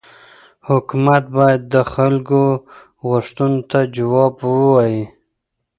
حکومت باید د خلکو غوښتنو ته جواب ووايي.